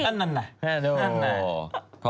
อันนั่นเหรอ